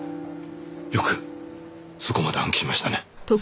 よくそこまで暗記しましたね。